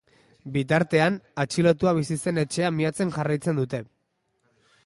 Bitartean, atxilotua bizi zen etxea miatzen jarraitzen dute.